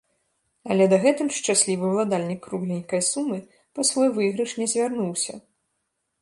Але дагэтуль шчаслівы уладальнік кругленькай сумы па свой выйгрыш не звярнуўся.